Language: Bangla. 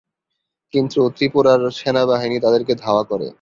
কিন্তু ত্রিপুরার সেনাবাহিনী তাদেরকে ধাওয়া করে।